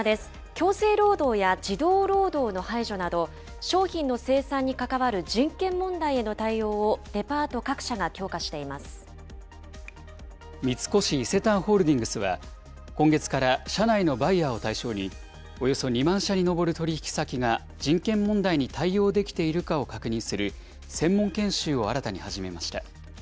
強制労働や児童労働の排除など、商品の生産に関わる人権問題への対応をデパート各社が強化してい三越伊勢丹ホールディングスは、今月から社内のバイヤーを対象に、およそ２万社に上る取り引き先が、人権問題に対応できているかを確認する専門研修を新たに始めました。